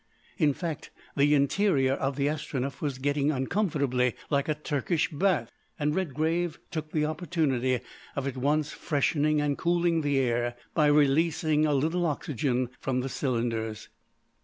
In fact, the interior of the Astronef was getting uncomfortably like a Turkish bath, and Redgrave took the opportunity of at once freshening and cooling the air by releasing a little oxygen from the cylinders.